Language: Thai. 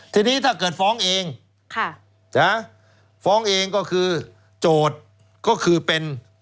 ทีนี้ถ้าเกิดฟ้องเองฟ้องเองก็คือโจทย์ก็คือเป็น